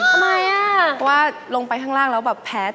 ทำไมอะเพราะว่าลงไปข้างล่างแล้วแภ้แตนทะเล